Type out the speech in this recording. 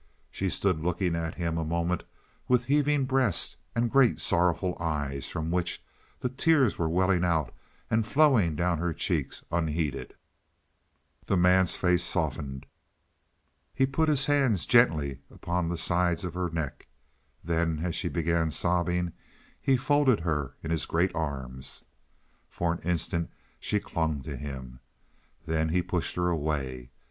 She stood looking at him a moment with heaving breast and great sorrowful eyes from which the tears were welling out and flowing down her cheeks unheeded. The man's face softened. He put his hands gently upon the sides of her neck. Then, as she began sobbing, he folded her in his great arms. For an instant she clung to him. Then he pushed her away.